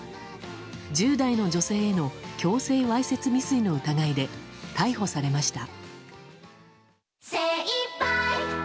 １０代の女性への強制わいせつ未遂の疑いで逮捕されました。